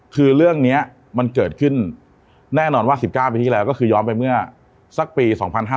คือเรื่องนี้มันเกิดขึ้นแน่นอนว่า๑๙ปีที่แล้วก็คือย้อนไปเมื่อสักปี๒๕๕๙